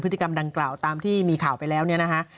พฤติกรรมดังกล่าวตามที่มีข่าวไปแล้วเนี่ยนะฮะ